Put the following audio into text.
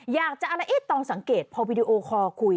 อยากจะอละเอ๊ะตอนสังเกตพอวิดีโอคอคุย